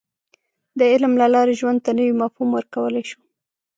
• د علم له لارې، ژوند ته نوی مفهوم ورکولی شې.